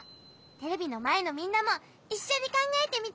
テレビのまえのみんなもいっしょにかんがえてみてね！